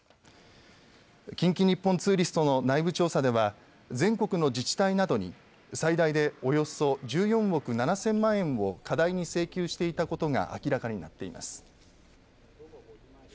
近畿日本ツーリストの内部調査では全国の自治体などに最大でおよそ１４億７０００万円を過大に請求していたことが明らかになっています。